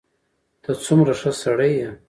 ته څومره ښه سړی یې.